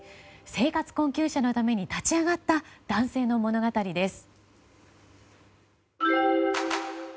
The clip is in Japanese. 生活困窮者のために立ち上がった男性の物語です。